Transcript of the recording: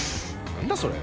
何だそれ！